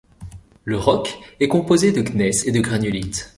Le roc est composé de gneiss et de granulites.